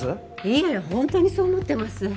いえホントにそう思ってます。